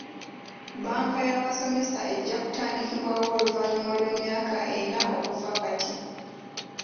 Bbanka y'abasomesa ejja kutandikibwawo oluvannyuma lw'emyaka ena okuva kati.